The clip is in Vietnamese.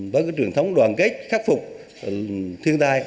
với truyền thống đoàn kết khắc phục thiên tai